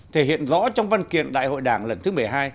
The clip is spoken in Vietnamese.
thể hiện rõ trong văn kiện đại hội đảng lần thứ một mươi hai